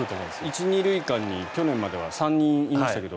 １・２塁間に去年までは３人いましたけど。